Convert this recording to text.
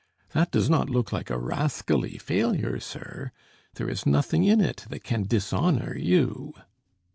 That does not look like a rascally failure, sir? There is nothing in it that can dishonor you."